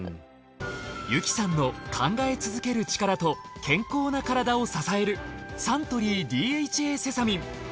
由紀さんの考え続けるチカラと健康なカラダを支えるサントリーＤＨＡセサミン。